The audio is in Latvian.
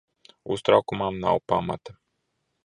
Uztraukumam nav pamata.